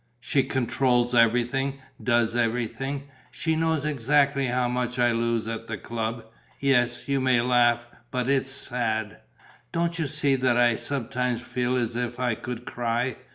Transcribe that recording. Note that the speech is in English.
She controls everything, does everything. She knows exactly how much I lose at the club. Yes, you may laugh, but it's sad. Don't you see that I sometimes feel as if I could cry?